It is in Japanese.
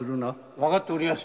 分かっております。